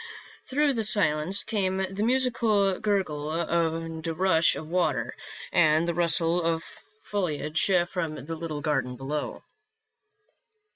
Through the silence came the musical gurgle and rush of water, and the rustle of foliage from the little garden below.